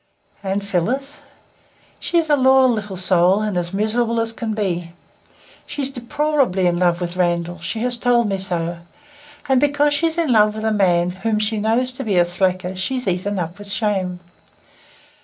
"And Phyllis?" "She is a loyal little soul and as miserable as can be. She's deplorably in love with Randall. She has told me so. And because she's in love with a man whom she knows to be a slacker she's eaten up with shame.